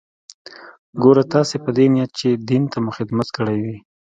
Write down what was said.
ګوره تاسې په دې نيت چې دين ته مو خدمت کړى وي.